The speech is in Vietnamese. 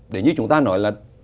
để như chúng ta nói là